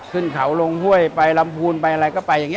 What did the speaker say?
ขึ้นเขาลงไห้ไปนำพูนไปอะไรก็ไป